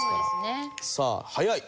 さあ早い。